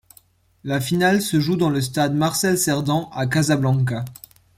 La finale se joue dans le stade Marcel Cerdan à Casablanca.